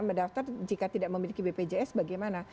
mendaftar jika tidak memiliki bpjs bagaimana